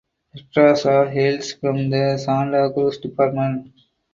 Pedraza hails from the Santa Cruz Department.